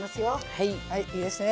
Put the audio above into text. はいいいですね。